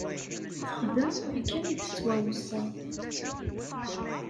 Texdem akken i d-tettwaweṣṣa.